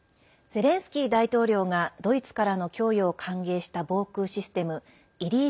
ゼレンスキー大統領がドイツからの供与を歓迎した防空システム